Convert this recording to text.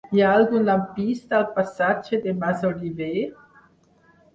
Hi ha algun lampista al passatge de Masoliver?